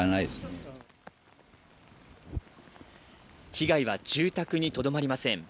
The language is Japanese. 被害は住宅にとどまりません。